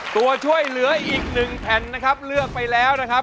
ตัวช่วยเหลืออีกหนึ่งแผ่นนะครับเลือกไปแล้วนะครับ